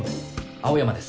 青山です。